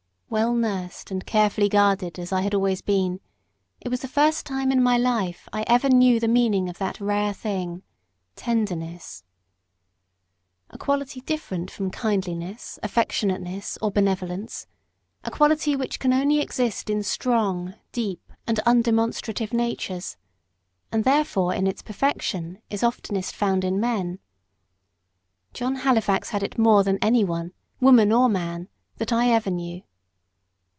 Well nursed and carefully guarded as I had always been, it was the first time in my life I ever knew the meaning of that rare thing, tenderness. A quality different from kindliness, affectionateness, or benevolence; a quality which can exist only in strong, deep, and undemonstrative natures, and therefore in its perfection is oftenest found in men. John Halifax had it more than any one, woman or man, that I ever knew.